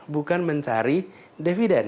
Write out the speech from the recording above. bukan mencari dividen